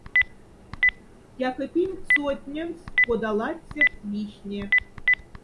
Тяка пингть сотневсь, кода латцефт вийхне.